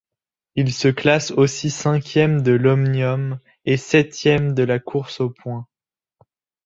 Il se classe aussi cinquième de l'omnium et septième de la course aux points.